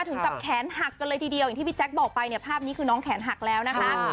ถึงกับแขนหักกันเลยทีเดียวอย่างที่พี่แจ๊คบอกไปเนี่ยภาพนี้คือน้องแขนหักแล้วนะคะ